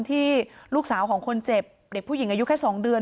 ที่ลูกสาวของคนเจ็บเด็กผู้หญิงอายุแค่๒เดือน